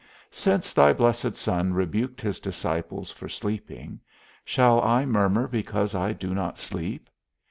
Since thy blessed Son rebuked his disciples for sleeping, shall I murmur because I do not sleep?